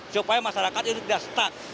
supaya masyarakat ini sudah setak